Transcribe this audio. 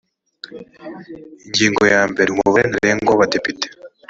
ingingo yambere umubare ntarengwa wa badepite